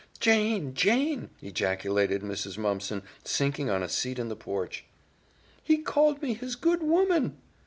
"Jane, Jane," ejaculated Mrs. Mumpson, sinking on a seat in the porch, "he called me his good woman!"